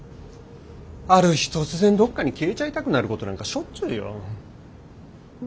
ある日突然どっかに消えちゃいたくなることなんかしょっちゅうよ。